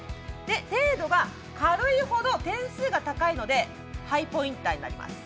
程度が軽いほど点数が高いのでハイポインターになります。